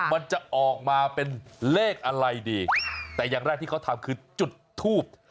มันจะออกมาเป็นเลขอะไรดีแต่อย่างแรกที่เขาทำคือจุดทูบ